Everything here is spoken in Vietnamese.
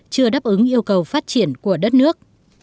chưa đáp ứng yêu cầu phát triển của đất nước